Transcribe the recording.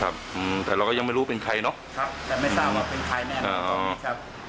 อืมแต่เราก็ยังไม่รู้เป็นใครเนอะครับแต่ไม่ทราบว่าเป็นใครแน่นะครับ